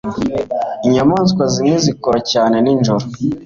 Inyamaswa zimwe zikora cyane nijoro.